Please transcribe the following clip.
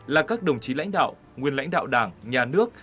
là các đồng chí lãnh đạo nguyên lãnh đạo đảng nhà nước